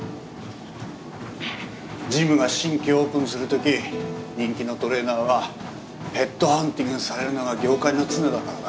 ジムが新規オープンする時人気のトレーナーはヘッドハンティングされるのは業界の常だからな。